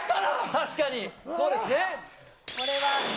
確かに、そうですね。